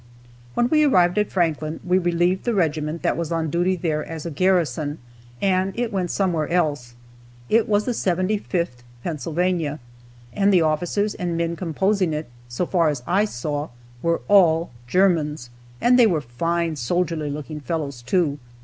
When we arrived at Franklin we relieved the regiment that was on duty there as a garrison, and it went somewhere else. It was the 75th Pennsylvania, and the officers and men composing it, so far as I saw, were all Germans. And they were fine, soldierly looking fellows, too.